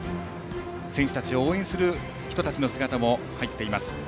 選手たちを応援する人たちの姿も入っています。